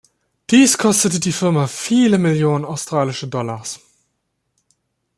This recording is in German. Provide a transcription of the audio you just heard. Dies kostete die Firma viele Millionen australische Dollars.